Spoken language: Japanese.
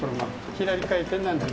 左回転なんです。